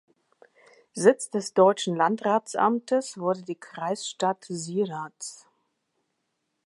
Sitz des deutschen Landratsamtes wurde die Kreisstadt Sieradz.